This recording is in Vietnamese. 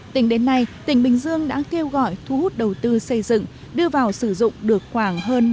tính đến nay tỉnh bình dương đã kêu gọi thu hút đầu tư xây dựng đưa vào sử dụng được khoảng hơn